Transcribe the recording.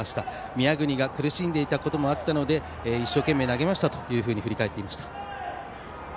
宮國が苦しんでいたこともあったので一生懸命投げましたと振り返っていました。